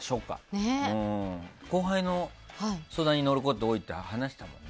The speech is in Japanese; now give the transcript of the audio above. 後輩の相談に乗ること多いって話してたっけ？